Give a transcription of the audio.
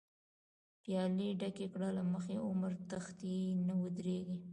پيالی ډکې کړه له مخی، عمر تښتی نه ودريږی